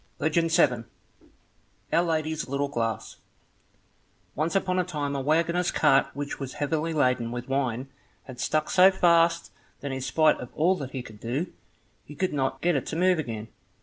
Legend 7 Our Lady's Little Glass Once upon a time a waggoner's cart which was heavily laden with wine had stuck so fast that in spite of all that he could do, he could not get it to move again.